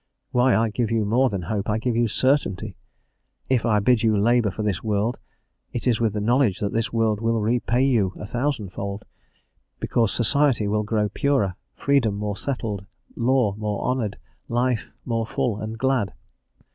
Why, I give you more than hope, I give you certainty: if I bid you labour for this world, it is with the knowledge that this world will repay you a thousandfold, because society will grow purer, freedom more settled, law more honoured, life more full and glad.